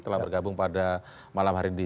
telah bergabung pada malam hari ini